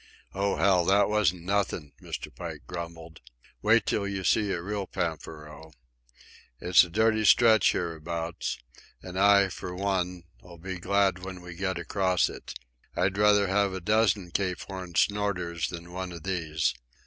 "Oh, hell, that wasn't nothing," Mr. Pike grumbled. "Wait till you see a real pampero. It's a dirty stretch hereabouts, and I, for one, 'll be glad when we get across It. I'd sooner have a dozen Cape Horn snorters than one of these.